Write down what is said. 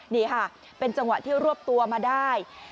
นี่ค่ะเป็นจังหวะที่รวบตัวมาได้